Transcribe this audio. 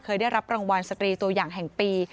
เคยได้รับรางวัลสตรีตัวอย่างแห่งปี